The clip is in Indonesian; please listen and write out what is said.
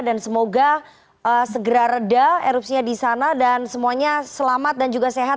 semoga segera reda erupsinya di sana dan semuanya selamat dan juga sehat